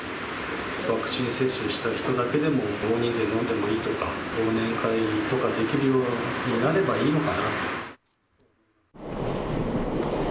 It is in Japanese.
ワクチン接種した人だけでも大人数で飲んでもいいとか、忘年会とかできるようになればいいのかなと。